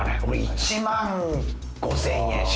俺１万５０００円